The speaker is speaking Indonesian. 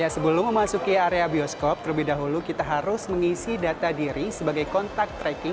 sebelum memasuki area bioskop terlebih dahulu kita harus mengisi data diri sebagai kontak tracking